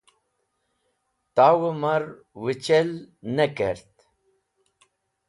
Tawẽ mar wechel ne kert.